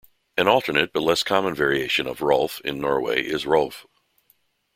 An alternate but less common variation of "Rolf" in Norway is "Rolv".